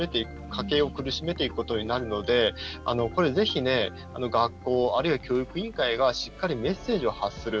家計を苦しめていくことになるのでぜひ、学校あるいは教育委員会がしっかりメッセージを発する。